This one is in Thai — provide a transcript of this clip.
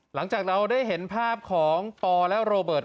หลังจากเราได้เห็นภาพของปอและโรเบิร์ต